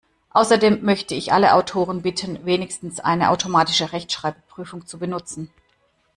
Außerdem möchte ich alle Autoren bitten, wenigstens eine automatische Rechtschreibprüfung zu benutzen.